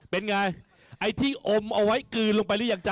เป็นไงไอ้ที่อมเอาไว้กลืนลงไปหรือยังจ้